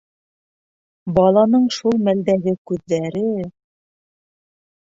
Баланың шул мәлдәге күҙҙәре!